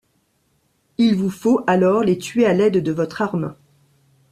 Il vous faut, alors, les tuer à l'aide de votre arme.